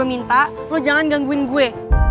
jadi gue minta lo jangan gangguin gue